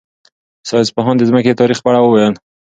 ساینس پوهانو د ځمکې د تاریخ په اړه وویل.